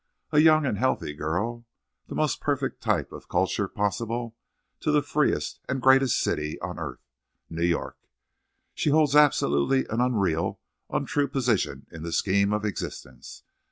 A young and healthy girl, the most perfect type of culture possible to the freest and greatest city on earth—New York! She holds absolutely an unreal, untrue position in the scheme of existence.